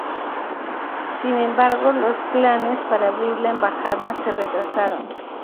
Sin embargo, los planes para abrir la embajada se retrasaron.